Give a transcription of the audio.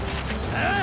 ああ！